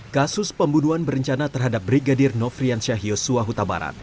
kasus pembunuhan berencana terhadap brigadir nofrian syahyos suahutabarat